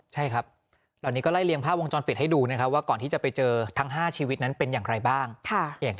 ใช่ครับเหล่านี้ก็ไล่เรียงภาพวงจรปิดให้ดูนะครับว่าก่อนที่จะไปเจอทั้ง๕ชีวิตนั้นเป็นอย่างไรบ้าง